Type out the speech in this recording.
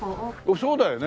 そうだよね。